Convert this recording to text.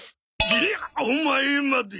げっオマエまで！